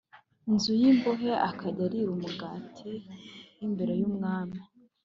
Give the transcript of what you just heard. nzu y imbohe akajya arira umugati h imbere y umwami